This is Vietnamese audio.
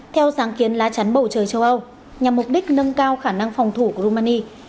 theo sáng kiến lá chắn bầu trời châu âu nhằm mục đích nâng cao khả năng phòng thủ của rumani